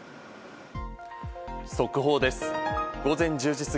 速報です。